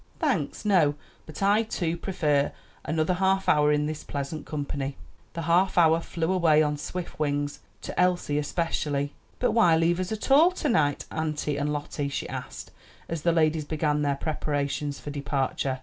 "Thanks, no; but I, too, prefer another half hour in this pleasant company." The half hour flew away on swift wings, to Elsie especially. "But why leave us at all to night, auntie and Lottie?" she asked, as the ladies began their preparations for departure.